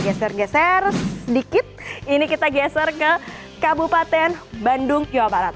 geser geser sedikit ini kita geser ke kabupaten bandung jawa barat